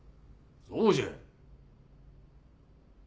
そうじゃ！